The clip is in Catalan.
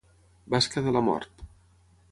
Basca de la mort.